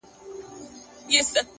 هوښیار انسان له خاموشیو هم معنا اخلي!